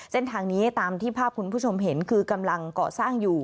เส้นทางนี้ตามที่ภาพคุณผู้ชมเห็นคือกำลังเกาะสร้างอยู่